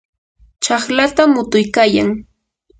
chaqlata mutuykayan.